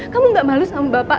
kamu gak malu sama bapak